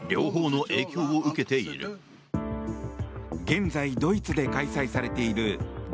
現在、ドイツで開催されているＧ７